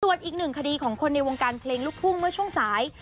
ส่วนอีกหนึ่งคดีของคนในวงการเพลงลูกทุ่งเมื่อช่วงสาย